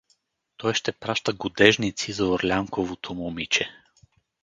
— Той ще праща годежници за Орлянковото момиче.